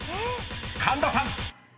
［神田さん］